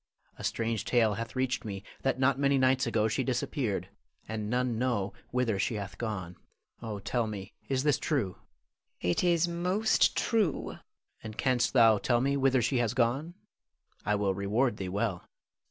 A strange tale hath reached me that not many nights ago she disappeared, and none know whither she hath gone. Oh, tell me, is this true? Norna. It is most true. Louis. And canst thou tell me whither she hath gone? I will reward thee well.